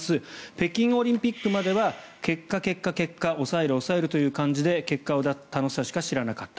北京オリンピックまでは結果、結果、結果抑える、抑えるという感じで結果を出す楽しさしか知らなかった。